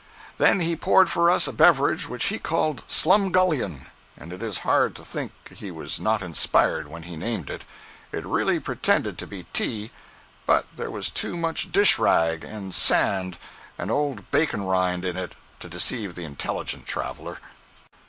Then he poured for us a beverage which he called "Slumgullion," and it is hard to think he was not inspired when he named it. It really pretended to be tea, but there was too much dish rag, and sand, and old bacon rind in it to deceive the intelligent traveler.